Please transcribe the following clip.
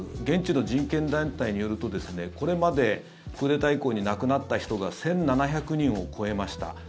現地の人権団体によるとこれまでクーデター以降に亡くなった人が１７００人を超えました。